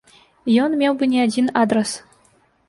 Ён меў бы не адзін адрас.